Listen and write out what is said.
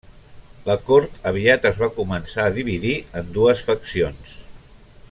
La cort aviat es va començar a dividir en dues faccions.